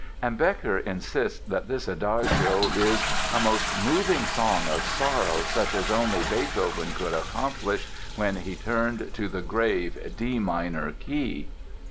And Bekker insists that this Adagio is "a most moving song of sorrow such as only Beethoven could accomplish when he turned to the grave D minor key."